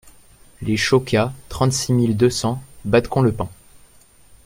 Les Chocats, trente-six mille deux cents Badecon-le-Pin